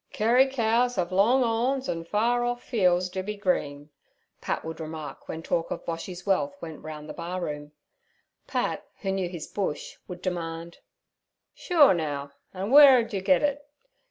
'Kerry cows 'ave long 'or rns and far r off fiel's do be green' Pat would remark when talk of Boshy's wealth went round the bar room, Pat, who knew his Bush, would demand: 'Shure now, an' where ud 'e git it?